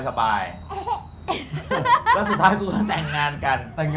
แล้วสุดท้ายกูก็แต่งงานกัน